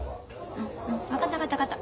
うんうん分かった分かった分かった。